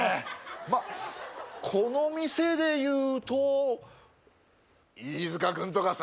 まあこの店で言うと飯塚君とかさ